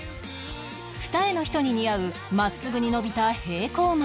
二重の人に似合う真っすぐに伸びた平行眉